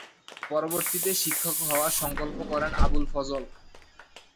পরবর্তীতে শিক্ষক হওয়ার সংকল্প করেন আবুল ফজল।